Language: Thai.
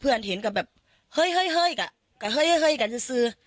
เพื่อนเห็นกับแบบเฮ้ยเฮ้ยเฮ้ยกับเฮ้ยเฮ้ยเฮ้ยกันซื้อซื้อ